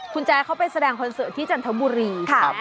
คุณแจ๊เขาไปแสดงคอนเสิร์ตที่จันทบุรี